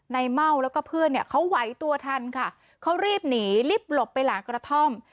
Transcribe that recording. เม่าแล้วก็เพื่อนเนี่ยเขาไหวตัวทันค่ะเขารีบหนีรีบหลบไปหลังกระท่อม